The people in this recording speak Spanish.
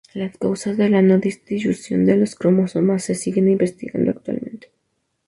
Las causas de la no disyunción de los cromosomas se siguen investigando actualmente.